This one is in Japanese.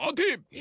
え？